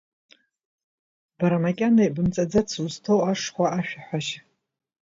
Бара, макьана ибымҵаӡац узҭоу ашхәа ашәа аҳәашьа…